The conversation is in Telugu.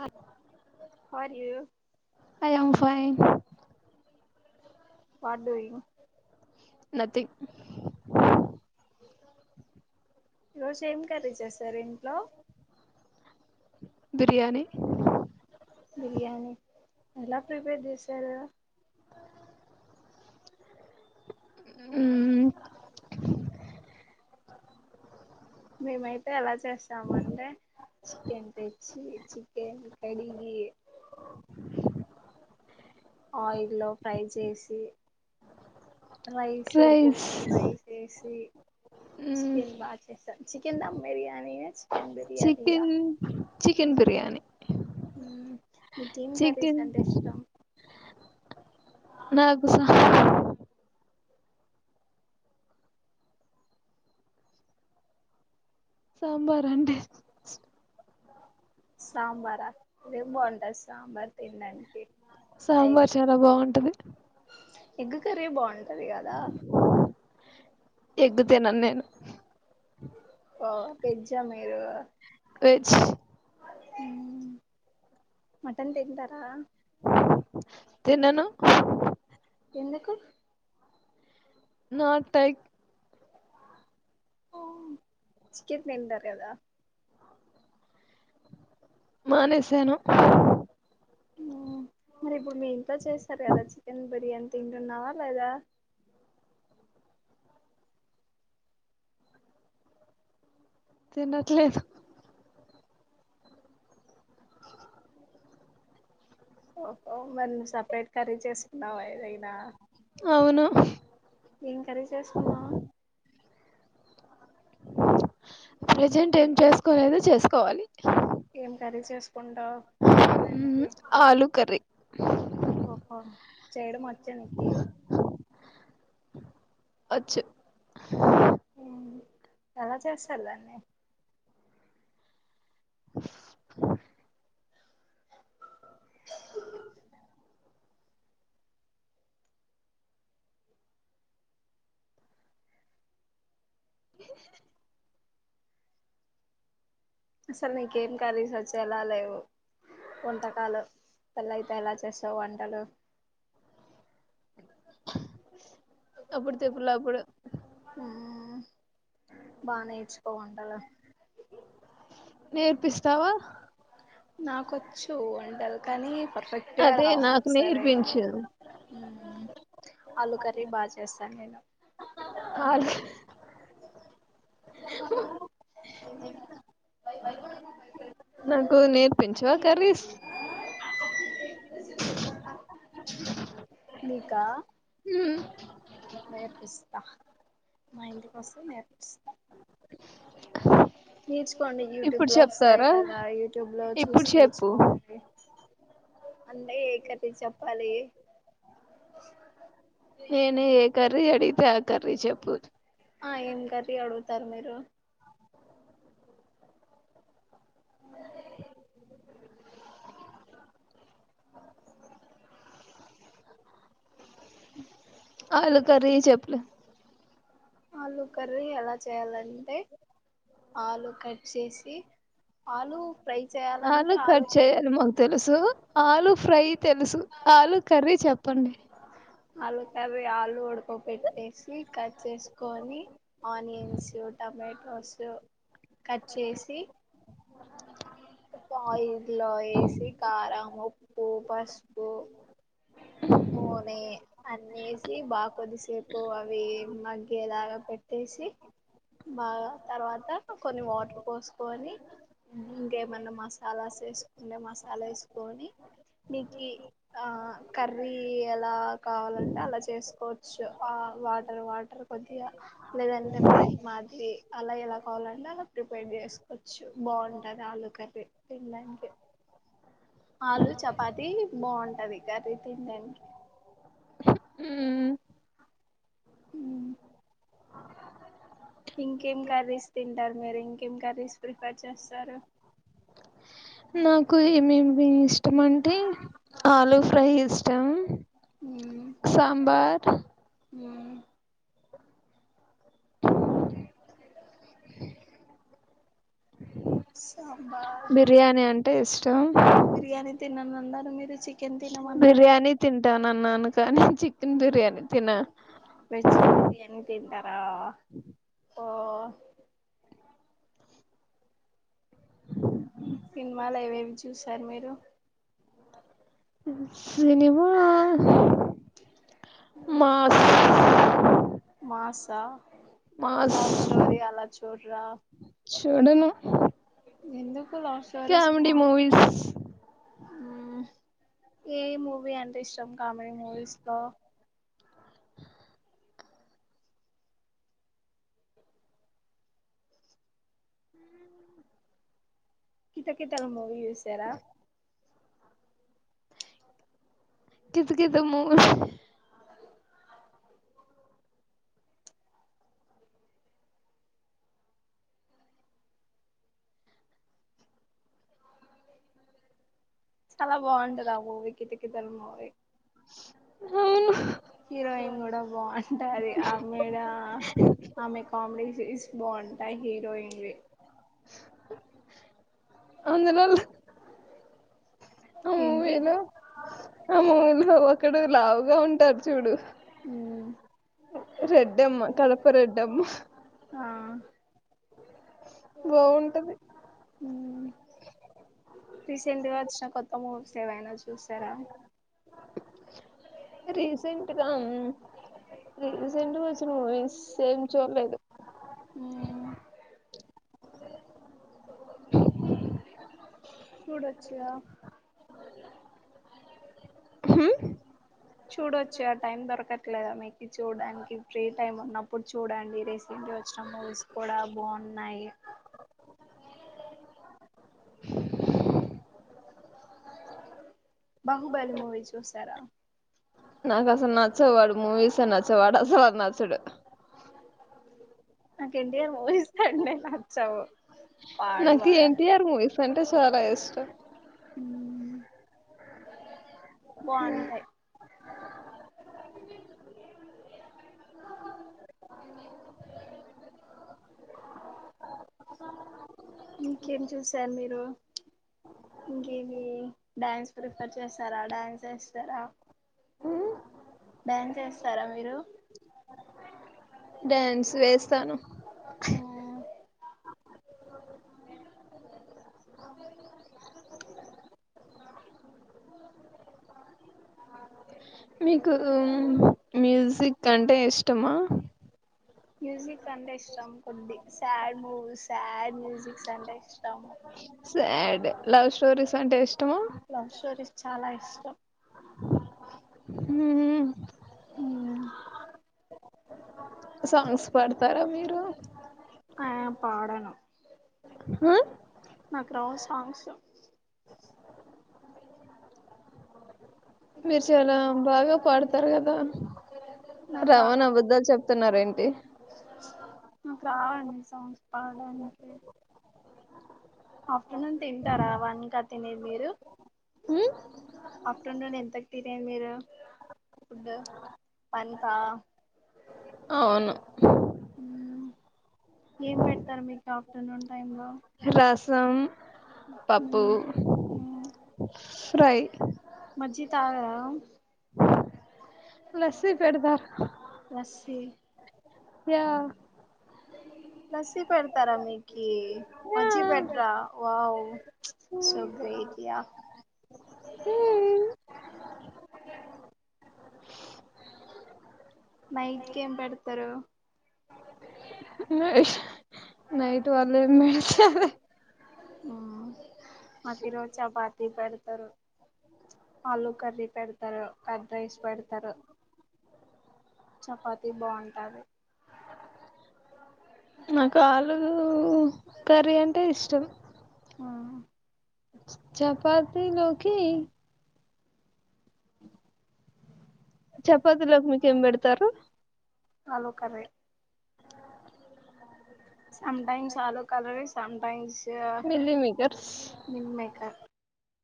ఆ how are you I am fine ఆ వాట్ డూయింగ్ నథింగ్ ఈ రోజు ఏం కర్రీ చేశారు ఇంట్లో? బిర్యానీ బిర్యానీ ఎలా ప్రిపేర్ చేశారు ఊమ్ మేమైతే ఎలా చే చేస్తామండి చికెన్ తెచ్చి చికెన్ కడిగి ఆయిల్లో ఫ్రై చేసి రైస్ ఉడుకో రైస్ పెట్టి రైస్ వేసి మ్మ్ చికెన్ బాగా చేస్తా చికెన్ దమ్ బిర్యానీయా చికెన్ బిర్యానీయా? కెన్ బిర్యానీ హూమ్ నీకేం కర్రీస్ చికెన్ అంటే ఇష్టం. నాకు స సాంబార్ అంటే సాంబారా అదేం బావుంటది సాంబార్ తినడానికి ఆ సాంబార్ ఎగ్ చాలా బాగుంటది ఎగ్గు కర్రీ బాగుంటది గదా. ఎగ్ తినను నేను ఓ వెజ్జా మీరు? వెజ్ మటన్ తింటారా? తిన్నాను ఎందుకు నాట్ టైక్ చికెన్ తింటారు కదా మానేసను మా మరి ఇప్పుడు మీ ఇంట్లో చేస్తారు కదా చికెన్ బిర్యానీ తింటున్నావా లేదా తినట్లేదు ఓహో మరి నువ్వు సపరేట్ కర్రీ చేసుకున్నావా ఏదైనా అవును ఏం కర్రీ చేసుకున్నావ్ ప్రజెంట్ ఏం చెస్ కోలేదు చేసుకోవాలి ఏం కర్రీ చేసుకుంటావ్ తినడానికి హ ఓహో చేయడం వచ్చానికి వచ్చు ఉమ్ ఎలా చేస్తారు దాన్ని ఆ హె హె హె అసలు నికేం కర్రీస్ వాచ్ తెల లేవు వంటకాలు పెళ్లి అయితే ఎలా చేస్తావు వంటలు అప్పుడు తిప్పులప్పుడు హుం బానేచ్చు బోండాల నేర్పిస్తావా నాకొచ్చు వంటల్ కానీ పర్ఫెక్ట్ గా అదే రావు నాకు సరే నేర్పించు ఆలు కర్రీ బా చేస్తా నేను అల్ నాకు నేర్పించవా కర్రీస్ నీకా మ్మ్. నేర్పిస్తా మా ఇంటికొస్తే నేర్పిస్తా నేర్చు కోండి యూట్యూబ్ ఇప్పుడు లో వస్తాయి చెప్తారా కదా యూట్యూబ్ లో ఇప్పుడు చూసి చెప్పు నేర్చుకోండి అండే ఏ కర్రీ చెప్పాలి నేనే ఏ కర్రీ అడిగితే ఆ కర్రీ చెప్పచ్ ఆ ఏం కర్రీ అడ తారు మీరు ఆలు కర్రీ చెప్పులే ఆలు కర్రీ ఎలా చేయాలంటే ఆలు కట్ చేసి ఆలు ఫ్రై చేయాలంటే ఆలు కట్ చేయాలి మాకు తెలుసు ఆలు ఫ్రై తెలుసు ఆలు కర్రీ చెప్పండి ఆలుకార్రీ ఆలుూ ఉడకపెట్టి పెట్టి కట్ చేసుకొని ఆనియన్స్ టమాటో సో కట్ చేసి ఆయిల్లో వేసి కారం ఉప్పు పసుపు నూనె అన్నీ వేసి బాగా కొద్దిసేపు అవి మగ్గేలాగా పెట్టేసి బాగా తర్వాత కొన్ని వాటర్ పోసుకొని ఇంకేమన్నా మసాలాస్ వేసుకుంటే మసాలా వేసుకొని మీకు కర్రీ ఎలా కావాలంటే అలా చేసుకోవచ్చు ఆ వాటర్ వాటర్ కొద్దిగా లేదంటే ఫ్రై మాదిరి అలా ఎలా కావాలంటే అలా ప్రిపేర్ చేసుకోవచ్చు బాగుంటది ఆలూకర్రీ పిల్లానికి ఆలు చపాతి బాగుంటది కర్రీ తినడానికి హ్మ్మ్ హ్మ్ ఇంకేం కర్రీస్ తింటారు మీరు ఇంకేం కర్రీస్ ప్రిఫర్ చేస్తారు నాకు ఏమేమి ఇష్టం అంటే ఆలు ఫ్రై ఇష్టం సాబార్ స బిర్యానీ అంటే ఇష్టం టం బిర్యానీ తినను అనరు మీరు చికెన్ తినమన్నారు బిర్యానీ తింటాన అన్నాను కానీ చికెన్ బిర్యానీ తిన వెజ్ బిర్యానీ తింటారా ఓ సినిమాలు అవేవి చూసారు మీరు సినిమా మాస మాసా మాస్ లవ్ స్టోరి అలా చూడరా చూడును ఎందుకు లవ్ స్టోరీస్ కామెడి బాగుం మూవీస్ ఏ మూవీ అంటే ఇష్టం కామెడీ మూవీస్ లో కితకితలు మూవీ చూసారా కితకితలు మూవీ చాలా బాగుంటది ఆ మూవీ కితకితలు కితలు మూవీ అవును హీరోయిన్ కూడ బాగ ఉంటది ఆమెడ ఆమె కామెడీ సీన్స్ బాగుంటాయి హీరోయిన్ వి అందులో ఏంటి మూవీ లో ఒక్కడు లావుగా ఉంటారు చూడు ఉమ్ రెడ్డమ్మ కడప రెడ్డమ్మ ఆ బాగుంటది రీసెంట్గా వచ్చిన కొత్త మూవీస్ ఏవైనా చూసార రీసెంట్గా రీసెంట్గా వచ్చిన మూవీస్ ఎం చూడలేదు అ చూడొచూగ చూడొచ్చు ఆ టైం దొరకట్లేదా మీకు చూడడానికి ఫ్రీ టైమ్ ఉన్నప్పుడు చూడండి రీసెంట్ వచ్చిన మూవీస్ కూడా బాన్నాయి బహుబలి మూవీ చూసార నాకు అసలు నచ్చావ్ వాడి మూవీస్ నచ్చవ్అసలు నాకి నచ్చడు నాకి యెన్ టి ఆర్ మూవీస్ అంటే నచ్చవు పాడు నాకి వాడ ఏంటియారు మూవి అంటే చాల ఇష్టం బాన్టాయ్ ఇంకేం చూసారు మీరు ఇంకేది డ్యాన్ ప్రిఫర్ చేస్తారా డ్యాన్స్ చేస్తారా డ్యాన్స్ చేస్తారా మీరు డ్యాన్స్ వేస్తాను ఉమ్ మీకు మ్యూజిక్ అంటే ఇష్టమ మ్యూజిక్ అంటే ఇష్టం కొది సాడ్ మూవీస్డ్ మ్యూజిక్స్ అంటే ఇష్టము సాడ్ లవ్ స్టోరీస్ అంటే ఇష్టమా లవ్ స్టోరీస్ చాల ఇష్టం సాంగ్స్ పడతార మీరు ఆ పాడను హ నాకు రావ్ సాంగ్స్ సు మీరు చాల బాగ పాడతారు కదా నాకు రా రవాని అభదలు చెప్తున్నార ఏంటి నాకు రావండి సాంగ్స్ పాడడానికి ఆఫ్టర్నూన్ తింటారా వన్కా తినేది మీరు ఆఫ్టర్నూన్ ఎంతకు తినేది మీరు ఫుడ్ వన్కా అవును ఉమ్ ఏం పెడతారు మీకు ఆఫ్టర్నూన్ టైమ్ లో రసం పప్పు ఫ్రై మజ్జి తాగరా లస్సీ పెడతార లస్సి నసి పడతారా మీకి మజ్జి పెట్టారా వావ్ శుభ్రీజయా యా నైట్కి ఏం పెడతారు ఇష్ నైట్ వాళ పెడితే అదే ఆ మాకు ఈ రోజు చపాతీ పెడతారు ఆలు కర్రీ పేడా తారు కడ్ రైస్ పెడతారు చపాతి బాగుంటది నాకు ఆలు కర్రీ అంటే ఇష్టం మ్మ్ చపాతి లోకి చపాతిలోకి మీకేం పెడతారు ఆలు కర్రీ సటైమ్స్ ఆలు కలరే సటైమ్స్ మలి మీగర్ మేకర్